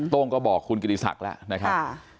โต้งก็บอกคุณกิติศักดิ์แล้วนะครับ